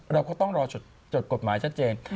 เราก็ต้องรอชุดจดกฎหมายแชทเจน